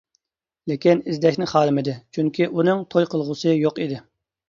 لېكىن ئىزدەشنى خالىمىدى، چۈنكى ئۇنىڭ توي قىلغۇسى يوق ئىدى.